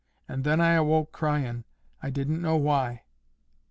And then I awoke cryin', I didn't know why.